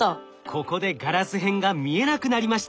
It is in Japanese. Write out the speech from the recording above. ここでガラス片が見えなくなりました。